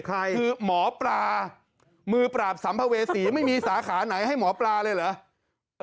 คือหมอปลามือปราบสัมภเวษีไม่มีสาขาไหนให้หมอปลาเลยเหรอ